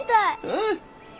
うん。